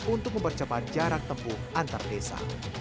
untuk mempercepat jarak tempuh antar desa